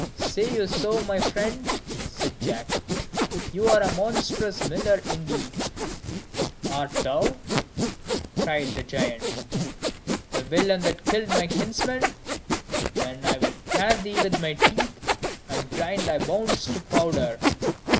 "Say you so, my friend?" said Jack; "you are a monstrous miller, indeed!" "Art thou," cried the giant, "the villain that killed my kinsmen? Then I will tear thee with my teeth, and grind thy bones to powder."